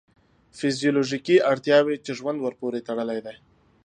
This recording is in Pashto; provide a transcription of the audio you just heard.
فیزیولوژیکې اړتیاوې چې ژوند ورپورې تړلی دی.